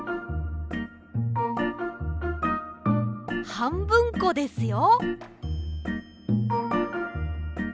はんぶんこですよ。